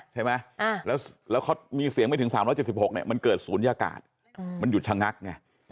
ใช่ไหมแล้วเขามีเสียงไม่ถึง๓๗๖เนี่ยมันเกิดศูนยากาศมันหยุดชะงักไง